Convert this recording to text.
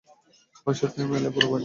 ভবিষ্যত এমএলএ, গুরু ভাই!